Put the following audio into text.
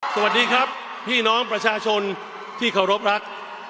สวัสดีครับพี่น้องประชาชนที่เคารพรัก